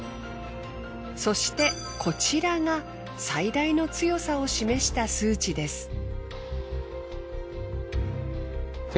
そしてこちらが最大の強さを示した数値です。